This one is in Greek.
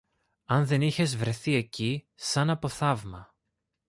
Αν δεν είχες βρεθεί εκεί, σαν από θαύμα